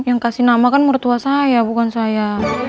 yang kasih nama kan mertua saya bukan saya